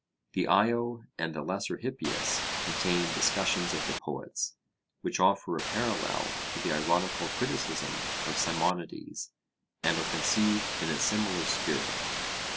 The Io and the lesser Hippias contain discussions of the Poets, which offer a parallel to the ironical criticism of Simonides, and are conceived in a similar spirit.